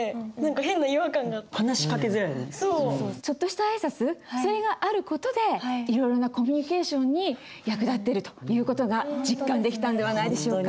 ちょっとした挨拶それがある事でいろいろなコミュニケーションに役立ってるという事が実感できたんではないでしょうか？